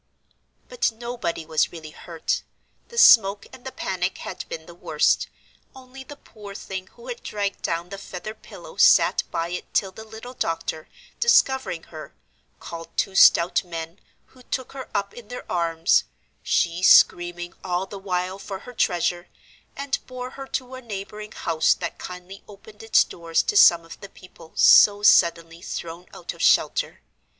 But nobody was really hurt the smoke and the panic had been the worst, only the poor thing who had dragged down the feather pillow sat by it till the little doctor, discovering her, called two stout men, who took her up in their arms she screaming all the while for her treasure and bore her to a neighbouring house that kindly opened its doors to some of the people so suddenly thrown out of shelter.